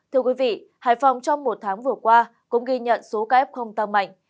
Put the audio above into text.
thưa quý vị hải phòng trong một tháng vừa qua cũng ghi nhận số ca f không tăng mạnh